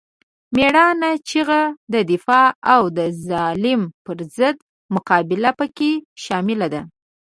مېړانه، چیغه، دفاع او د ظالم پر ضد مقابله پکې شامله ده.